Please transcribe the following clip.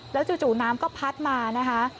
แล้วจู่น้ำก็พัดมานะคะ